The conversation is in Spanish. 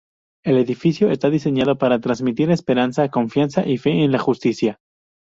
El edificio está diseñado para transmitir esperanza, confianza y fe en la justicia.